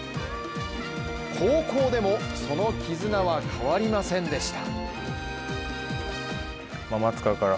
高校でもその絆は変わりませんでした。